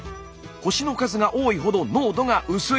星の数が多いほど濃度が薄い。